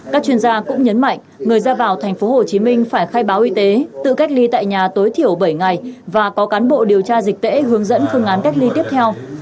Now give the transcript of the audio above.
các chuyên gia cũng nhấn mạnh người ra vào thành phố hồ chí minh phải khai báo y tế tự cách ly tại nhà tối thiểu bảy ngày và có cán bộ điều tra dịch tễ hướng dẫn khương án cách ly tiếp theo